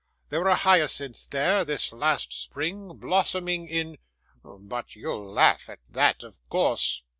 There were hyacinths there, this last spring, blossoming, in but you'll laugh at that, of course.